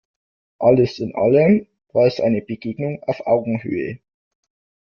Alles in allem war es eine Begegnung auf Augenhöhe.